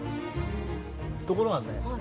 ところがね